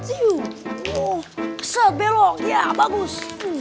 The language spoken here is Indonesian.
kesel belok ya bagus